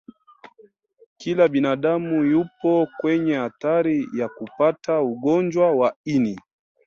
kila binadamu yupo kwenye hatari ya kupata ugonjwa wa ini